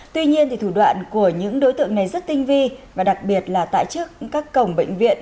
tuy nhiên thủ đoạn của những đối tượng này rất tinh vi và đặc biệt là tại trước các cổng bệnh viện